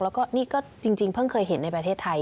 แล้วก็นี่ก็จริงเพิ่งเคยเห็นในประเทศไทย